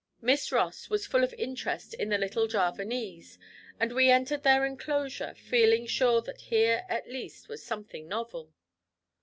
Miss Ross was full of interest in the little Javanese, and we entered their enclosure, feeling sure that here, at least, was something novel.